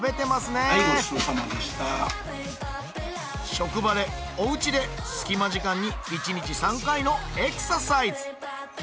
職場でおうちで隙間時間に一日３回のエクササイズ。